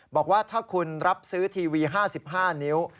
บอกว่าถ้าคุณรับซื้อทีวี๕๕นิ้ว